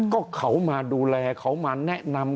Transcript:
ก็เขามาดูแลเขามาแนะนำ